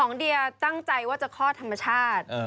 เดียตั้งใจว่าจะคลอดธรรมชาติ